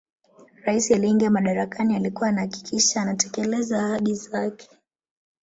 rais aliyeingia madarakani alikuwa anahakikisha anatekeleza ahadi zake